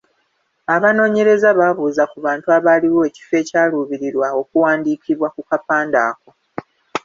Abanoonyereza baabuuza ku bantu abaaliwo ekifo ekyaluubirirwa okuwandiikibwa ku kapande ako.